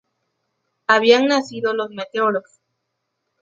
Habían nacido Los Meteoros.